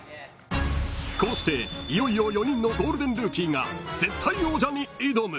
［こうしていよいよ４人のゴールデンルーキーが絶対王者に挑む］